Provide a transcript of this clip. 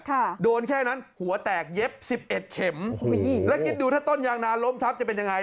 ค่ะโดนแค่นั้นหัวแตกเย็บสิบเอ็ดเข็มอุ้ยแล้วคิดดูถ้าต้นยางนาล้มทับจะเป็นยังไง